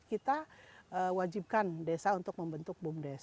kita wajibkan desa untuk membentuk bumdes